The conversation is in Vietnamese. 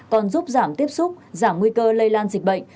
còn giúp giảm tiếp xúc giảm nguy cơ lây lan dịch bệnh